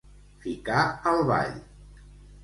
Ficar al ball.